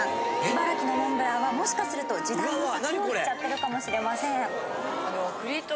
茨城のモンブランはもしかすると時代の先を行っちゃってるかもしれません。